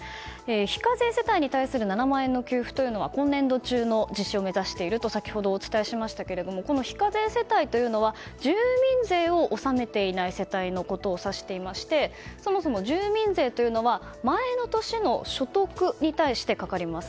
非課税世帯に対する７万円の給付というのは今年度中の実施を目指していると先ほどお伝えしましたがこの非課税世帯は住民税を納めていない世帯のことを指していましてそもそも住民税というのは前の年の所得に対してかかります。